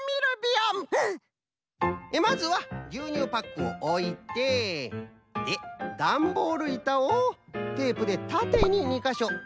まずはぎゅうにゅうパックをおいてでダンボールいたをテープでたてに２かしょあっペタッ！